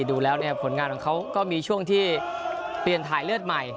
ดูแล้วเนี่ยผลงานของเขาก็มีช่วงที่เปลี่ยนถ่ายเลือดใหม่